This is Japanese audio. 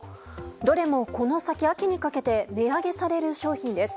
どれもこの先、秋にかけて値上げされる商品です。